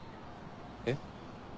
えっ？